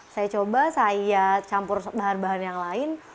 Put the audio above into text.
saya coba saya campur bahan bahan yang lain